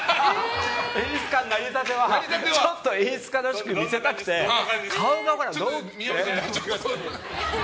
演出家になりたてはちょっと演出家らしく見せたくてやってました。